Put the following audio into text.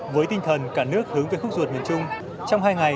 với tinh thần cả nước hướng về khúc ruột miền trung trong hai ngày